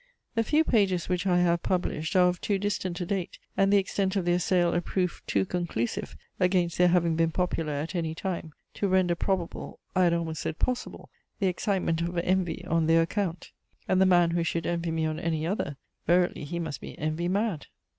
The few pages which I have published, are of too distant a date, and the extent of their sale a proof too conclusive against their having been popular at any time, to render probable, I had almost said possible, the excitement of envy on their account; and the man who should envy me on any other, verily he must be envy mad!